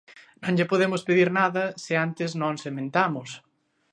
Non lle podemos pedir nada se antes non sementamos.